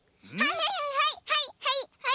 はいはいはいはい！